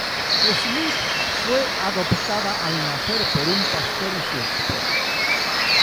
Smith fue adoptada al nacer por un pastor y su esposa.